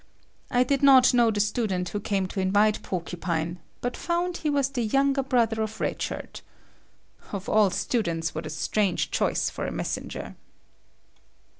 I did not know the student who came to invite Porcupine, but found he was the younger brother of Red Shirt. Of all students, what a strange choice for a messenger!